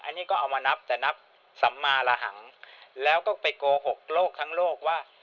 อันนี้ก็เอามานับแต่นับสัมมาระหังแล้วก็ไปโกหกโลกทั้งโลกว่า